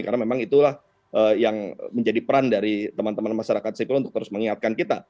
karena memang itulah yang menjadi peran dari teman teman masyarakat sipil untuk terus mengingatkan kita